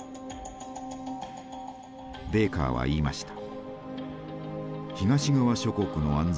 ベーカーは言いました。